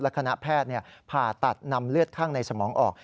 คณะแพทย์ผ่าตัดนำเลือดข้างในสมองออก